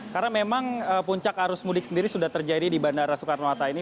karena memang puncak arus mudik sendiri sudah terjadi di bandara soekarno hatta ini